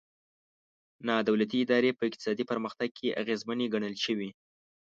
نا دولتي ادارې په اقتصادي پرمختګ کې اغېزمنې ګڼل شوي.